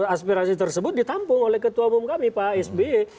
aspirasi tersebut ditampung oleh ketua umum kami pak sby